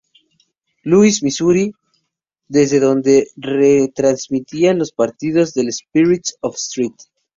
Louis, Misuri desde donde retransmitía los partidos del Spirits of St.